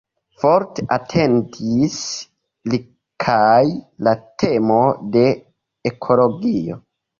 Forte atentis li kaj la temo de ekologio.